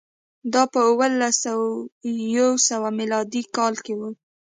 دا په اووه لس او یو سوه میلادي کال کې و